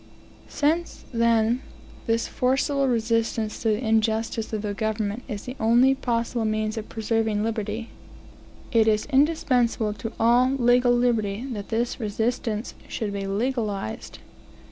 Since, then, this forcible resistance to the injustice of the government is the only possible means of preserving liberty, it is indispensable to all legal liberty that this resistance should be legalized.